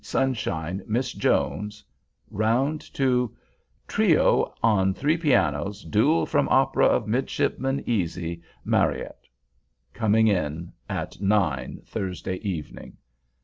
Sunshine. Miss Jones, round to Trio on Three Pianos. Duel from opera of Midshipman Easy. MARRYATT. coming in at nine, Thursday evening!